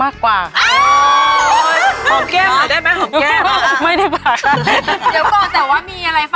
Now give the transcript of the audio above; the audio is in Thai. เก่งใจอี๊ล่ะ